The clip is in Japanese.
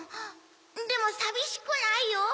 でもさびしくないよ。